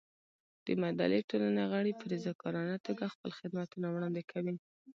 د مدني ټولنې غړي په رضاکارانه توګه خپل خدمتونه وړاندې کوي.